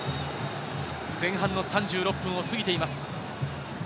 前半の３６分を過ぎています。